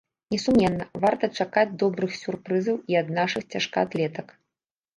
Несумненна, варта чакаць добрых сюрпрызаў і ад нашых цяжкаатлетак.